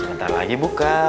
sebentar lagi buka